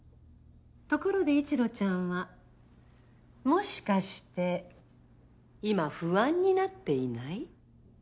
ところで一路ちゃんはもしかして今不安になっていない？